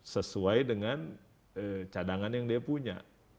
sesuai dengan cadangan yang dia punya